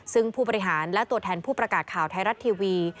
ซึ่งผู้บริหารและตัวแทนผู้ประกาศข่าวไทยรัฐทีวี